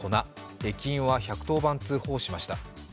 駅員は１１０番通報しました。